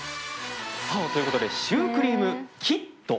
ということでシュークリームキット。